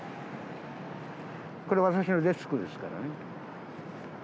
これ私のデスクですからね。